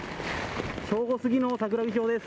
正午過ぎの桜木町です。